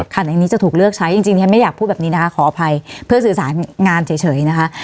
คันนี้จะถูกเลือกใช้จริงฉันไม่อยากพูดแบบนี้นะคะขออภัยเพื่อสื่อสารงานเฉยนะคะ